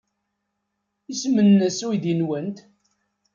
Isem-nnes uydi-nwent?